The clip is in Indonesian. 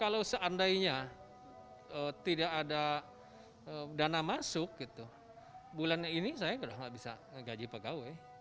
kalau seandainya tidak ada dana masuk bulan ini saya tidak bisa gaji pegawai